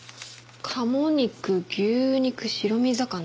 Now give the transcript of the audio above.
「鴨肉牛肉白身魚」。